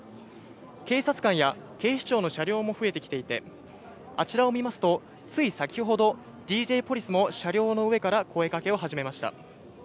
警察官や警視庁の車両も増えてきていて、あちらを見ますと、つい先ほど、ＤＪポリスも車両の上から声かけを始めました。